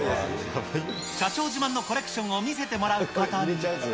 社長自慢のコレクションを見せてもらうことに。